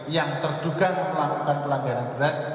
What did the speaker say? yang terduga melakukan pelanggaran berat